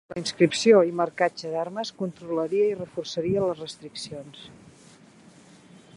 La inscripció i marcatge d'armes controlaria i reforçaria les restriccions.